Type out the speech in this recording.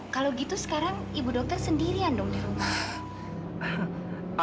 kalau gitu sekarang ibu dokter sendirian dong di rumah